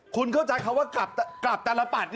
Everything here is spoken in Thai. คุณเข้าใจคำว่ากลับตลปัด